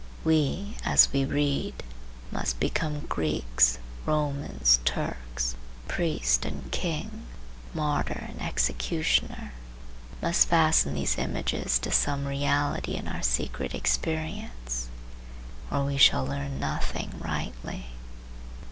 We, as we read, must become Greeks, Romans, Turks, priest and king, martyr and executioner; must fasten these images to some reality in our secret experience, or we shall learn nothing rightly.